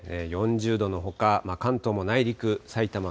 ４０度のほか、関東も内陸、さいたま、